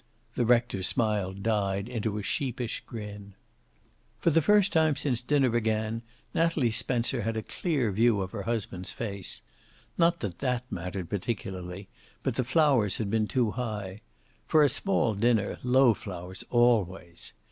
The rector's smile died into a sheepish grin. For the first time since dinner began Natalie Spencer had a clear view of her husband's face. Not that that had mattered particularly, but the flowers had been too high. For a small dinner, low flowers, always.